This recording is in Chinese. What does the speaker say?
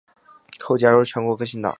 后加入全国革新党。